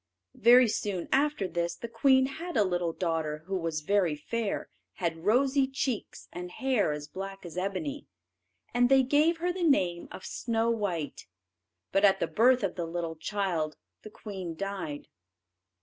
Very soon after this the queen had a little daughter who was very fair, had rosy cheeks, and hair as black as ebony; and they gave her the name of Snow white. But at the birth of the little child the queen died.